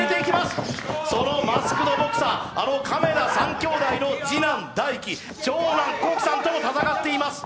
そのマスク・ド・ボクサー、亀田さん兄弟の大毅、長男、興毅さんとも戦っています。